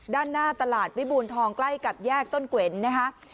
ด้านหน้าตลาดวิบูรทองใกล้กับแยกต้นเกวนนะคะ